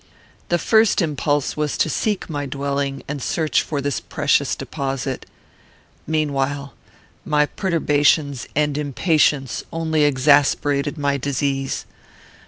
The first impulse was to seek my dwelling and search for this precious deposit. "Meanwhile, my perturbations and impatience only exasperated my disease.